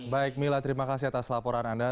baik mila terima kasih atas laporan anda